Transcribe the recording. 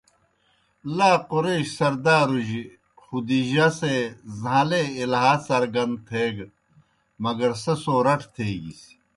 لا قُریش سردارُجیْ خدیجہؓ سے زہان٘لے اِلہا څرگن تھیگہ مگر سہ سو رٹ تھیگِس۔